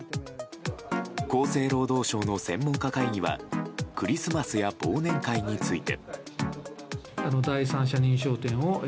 厚生労働省の専門家会議はクリスマスや忘年会について。